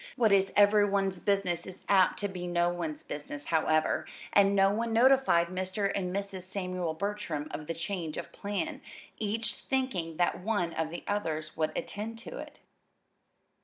What is every one's business is apt to be no one's business, however, and no one notified Mr. and Mrs. Samuel Bertram of the change of plan, each thinking that one of the others would attend to it.